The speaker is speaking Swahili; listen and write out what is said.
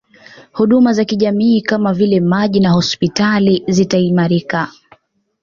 Huduna za kijamii kama vile maji na hospitali zitaimarika